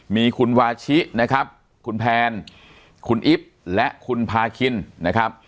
มีคุณวาชินะครับคุณแพนคุณอิ๊บและคุณพาคินนะครับ